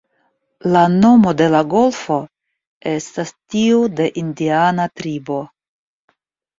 La nomo de la golfo estas tiu de indiana tribo.